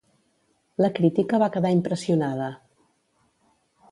La crítica va quedar impressionada.